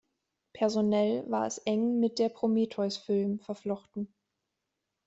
Personell war es eng mit der Prometheus Film verflochten.